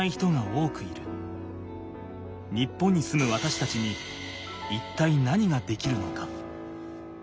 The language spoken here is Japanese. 日本に住むわたしたちに一体何ができるのか？